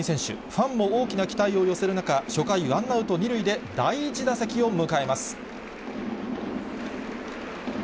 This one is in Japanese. ファンも大きな期待を寄せる中、初回、ワンアウト２塁で、第１打席を迎えます。